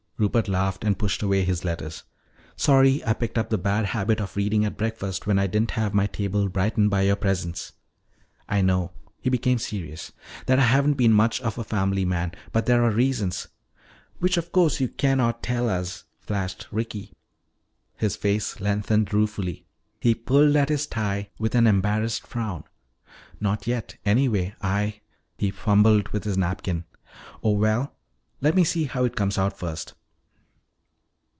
Rupert laughed and pushed away his letters. "Sorry. I picked up the bad habit of reading at breakfast when I didn't have my table brightened by your presence. I know," he became serious, "that I haven't been much of a family man. But there are reasons " "Which, of course, you can not tell us," flashed Ricky. His face lengthened ruefully. He pulled at his tie with an embarrassed frown. "Not yet, anyway. I " He fumbled with his napkin. "Oh, well, let me see how it comes out first."